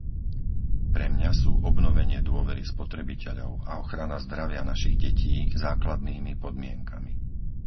Pre mňa sú obnovenie dôvery spotrebiteľov a ochrana zdravia našich detí základnými podmienkami.